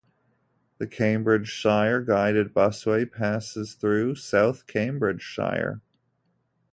The Cambridgeshire Guided Busway passes through South Cambridgeshire.